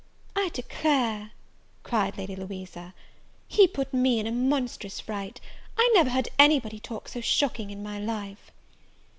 "I declare," cried Lady Louisa, "he put me in a monstrous fright; I never heard any body talk so shocking in my life!"